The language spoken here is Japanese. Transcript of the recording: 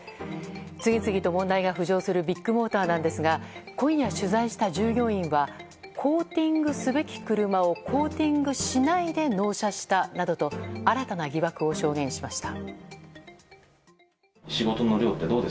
次々と問題が浮上するビッグモーターなんですが今夜取材した従業員はコーティングすべき車をコーティングしないで納車したなどと新たな疑惑を証言しました。